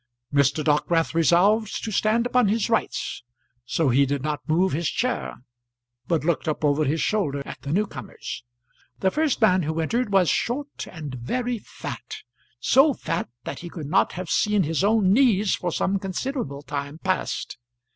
Mr. Dockwrath resolved to stand upon his rights, so he did not move his chair, but looked up over his shoulder at the new comers. The first man who entered was short and very fat; so fat that he could not have seen his own knees for some considerable time past.